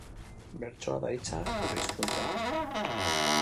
Bertsoa da hitza, gure hizkuntza